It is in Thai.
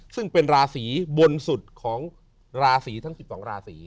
ซึ่งเป็นราศีบนสุดของราศีทั้ง๑๒ราศี